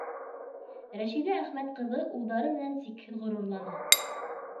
Рәшиҙә Әхмәт ҡыҙы улдары менән сикһеҙ ғорурлана.